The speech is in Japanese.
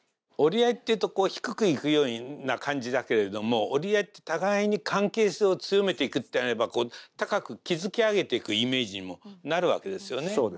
折り合いっていうと低く行くような感じだけれども折り合いって互いに関係性を強めていくって言われれば高く築き上げていくイメージにもなるわけですよね。